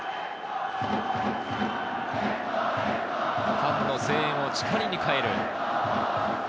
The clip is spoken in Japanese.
ファンの声援を力に変える。